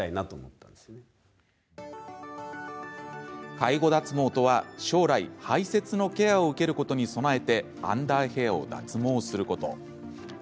介護脱毛とは将来、排せつのケアを受けることに備えてアンダーヘアを脱毛すること。